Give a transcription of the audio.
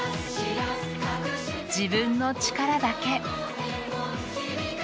「自分の力だけ」